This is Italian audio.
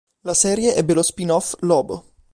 La serie ebbe lo spin-off "Lobo".